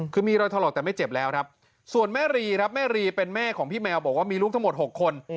คือมีรอยถลอกแต่ไม่เจ็บแล้วครับส่วนแม่รีครับแม่รีเป็นแม่ของพี่แมวบอกว่ามีลูกทั้งหมด๖คน